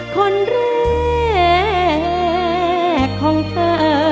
คนแรกของเธอ